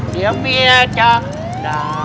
เดี๋ยวเบียดำ